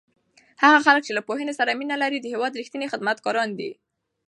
هغه خلک چې له پوهنې سره مینه لري د هېواد رښتیني خدمتګاران دي.